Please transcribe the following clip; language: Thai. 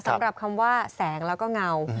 สำหรับคำว่าแสงแล้วก็เงา